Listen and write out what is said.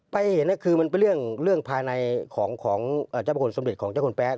ไปเห็นคือมันเป็นเรื่องภายในของเจ้าพระคุณสมเด็จของเจ้าคุณแป๊ะ